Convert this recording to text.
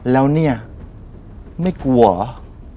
แล้วเนี่ยไม่กลัวเหรอ